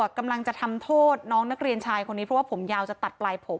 กำลังจะทำโทษน้องนักเรียนชายคนนี้เพราะว่าผมยาวจะตัดปลายผม